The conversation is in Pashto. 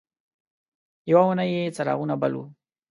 یوه اونۍ یې څراغونه بل وو.